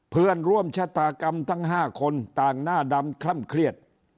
เพื่อนร่วมชะตากรรมทั้ง๕คนต่างหน้าดำคล่ำเครียด